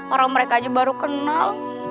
orang mereka aja baru kenal